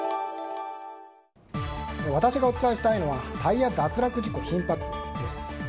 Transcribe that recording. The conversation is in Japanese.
私がお伝えしたいのはタイヤ脱落事故、頻発です。